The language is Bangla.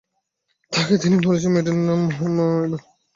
তাঁকে তিনি বলেছেন, মেয়েটির নাম ইমা হবার সম্ভাবনা।